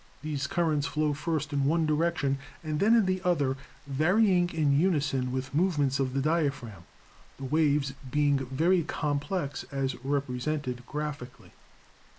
These currents flow first in one direction and then in the other, varying in unison with the movements of the diaphragm, the waves being very complex as represented graphically.